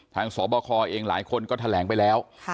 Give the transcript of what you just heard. สบคเองหลายคนก็แถลงไปแล้ว